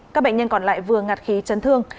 các bệnh nhân còn lại vừa ngạt khí chấn thương